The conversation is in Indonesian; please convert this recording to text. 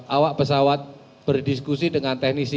awak pesawat berdiskusi dengan teknisi